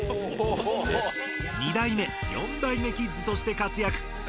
２代目４代目キッズとしてかつやく。